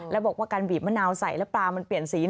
แล้วบอกว่าการบีบมะนาวใส่แล้วปลามันเปลี่ยนสี